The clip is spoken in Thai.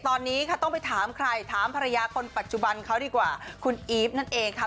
ตอนนี้ค่ะต้องไปถามใครถามภรรยาคนปัจจุบันเขาดีกว่าคุณอีฟนั่นเองค่ะ